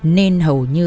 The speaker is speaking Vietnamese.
nên hầu như